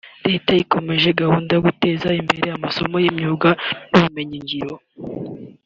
Leta ikomeje gahunda yo guteza imbere amasomo y’imyuga n’ubumenyingiro